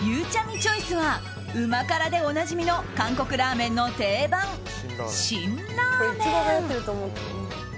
チョイスはうま辛でおなじみの韓国ラーメンの定番辛ラーメン。